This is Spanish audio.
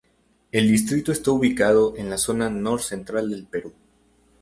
El distrito está ubicado en la zona nor central del Perú.